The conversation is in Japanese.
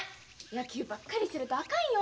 野球ばっかりしてるとあかんよ。